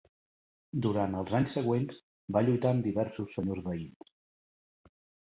Durant els anys següents, va lluitar amb diversos senyors veïns.